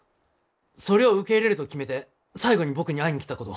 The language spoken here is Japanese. そりょう受け入れると決めて最後に僕に会いに来たこと。